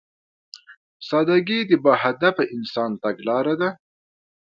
سادهګي د باهدفه انسان تګلاره ده.